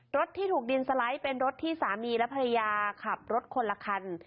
รถที่ถูกดินสไลด์เป็นรถที่สามีและภรรยาขับรถคนละคัน